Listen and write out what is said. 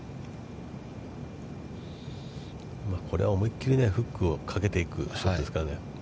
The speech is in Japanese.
これは思い切りフックをかけていくショットですからね。